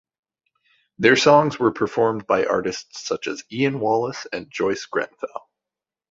Their songs were performed by artists such as Ian Wallace and Joyce Grenfell.